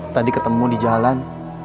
tadi ketemu di jalan